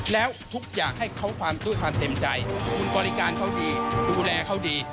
แล้วทุกอย่างให้เขาความด้วยความเต็มใจคุณบริการเขาดีดูแลเขาดี